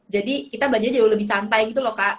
jadi kita belajar jauh lebih santai gitu loh kak